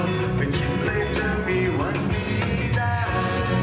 ไม่คิดเลยจะมีวันนี้ได้